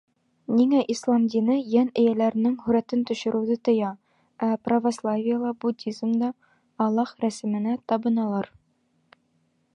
Ниңә Ислам дине йән эйәләренең һүрәтен төшөрөүҙе тыя, ә православиела, буддизмда Аллаһ рәсеменә табыналар?